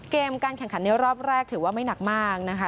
การแข่งขันในรอบแรกถือว่าไม่หนักมากนะคะ